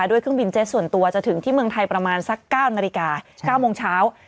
ด้วยเครื่องบินเจ็ตส่วนตัวจะถึงที่เมืองไทยประมาณสัก๙นาฬิกา๙โมงเช้า